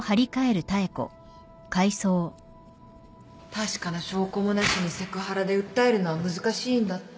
確かな証拠もなしにセクハラで訴えるのは難しいんだって